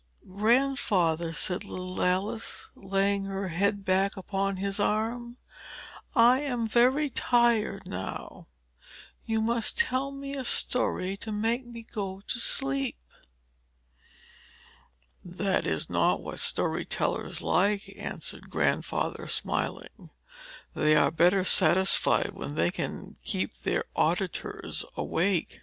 "Grandfather," said little Alice, laying her head back upon his arm, "I am very tired now. You must tell me a story to make me go to sleep." "That is not what story tellers like," answered Grandfather, smiling. "They are better satisfied when they can keep their auditors awake."